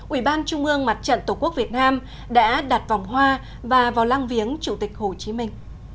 ủy ban trung ương mặt trận tổ quốc việt nam đã đặt vòng hoa và vào lang viếng chủ tịch hồ chí minh